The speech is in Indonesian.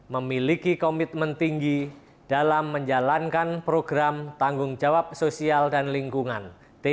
memiliki komitmen tinggi dalam menjalankan program tanggung jawab sosial dan lingkungan